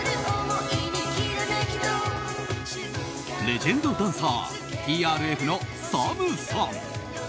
レジェンドダンサーＴＲＦのＳＡＭさん。